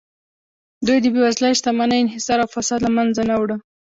دوی د بېوزلۍ، شتمنۍ انحصار او فساد له منځه نه وړه